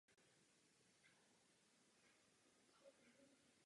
Definitivní konec této taktiky ohlásila první světová válka a masové rozšíření kulometů.